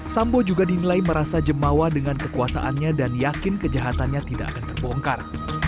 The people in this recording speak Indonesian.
sambo juga dinilai merasa jemawa dengan kekuasaannya dan yakin kejahatannya tidak akan terbongkar